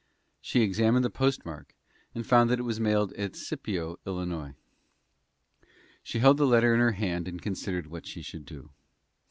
She examined the postmark, and found that it was mailed at Scipio, Illinois. She held the letter in her hand and considered what she should do.